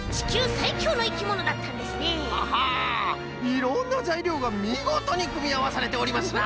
いろんなざいりょうがみごとにくみあわされておりますな。